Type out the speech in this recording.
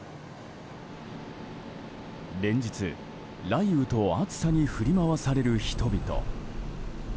連日、雷雨と暑さに振り回される人々。